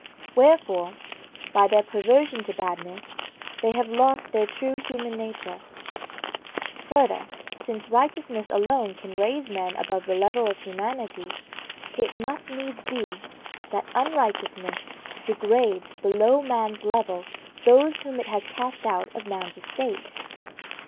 Wherefore, by their perversion to badness, they have lost their true human nature. Further, since righteousness alone can raise men above the level of humanity, it must needs be that unrighteousness degrades below man's level those whom it has cast out of man's estate.